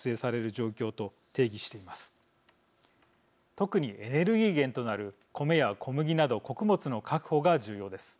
特にエネルギー源となるコメや小麦など穀物の確保が重要です。